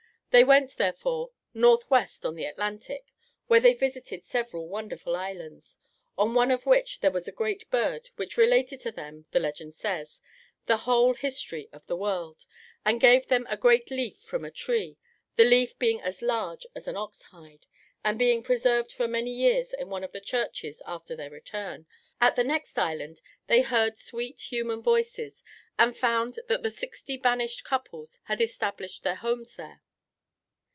They went, therefore, northwest on the Atlantic, where they visited several wonderful islands, on one of which there was a great bird which related to them, the legend says, the whole history of the world, and gave them a great leaf from a tree the leaf being as large as an ox hide, and being preserved for many years in one of the churches after their return. At the next island they heard sweet human voices, and found that the sixty banished couples had established their homes there.